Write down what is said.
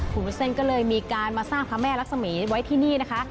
คุณวุ้นเส้นก็เลยมีการมาสร้างพระแม่รักษมีไว้ที่นี่นะคะ